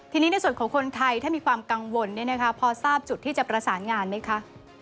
ทีนี้ในส่วนของคนไทยถ้ามีความกังวลพอทราบจุดที่จะประสานงานไหมคะ